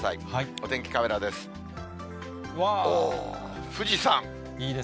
お天気カメラです。